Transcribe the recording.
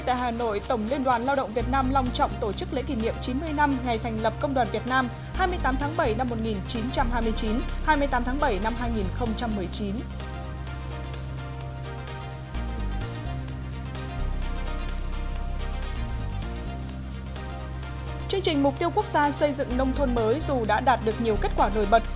chương trình hôm nay ngày hai mươi tám tháng bảy sẽ có những nội dung chính sau đây